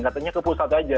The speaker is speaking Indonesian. katanya ke pusat saja